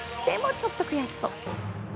でも、ちょっと悔しそう。